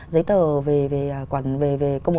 giấy tờ về công bố